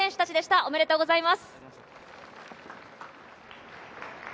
ありがとうございます。